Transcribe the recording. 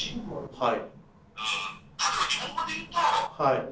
はい。